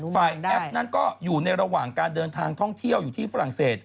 แอปนั้นก็อยู่ในระหว่างการเดินทางท่องเที่ยวอยู่ที่ฝรั่งเศส